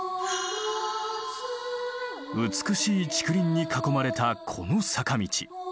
美しい竹林に囲まれたこの坂道。